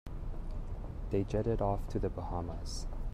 They jetted off to the Bahamas.